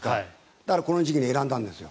だから、この時期を選んだんですよ。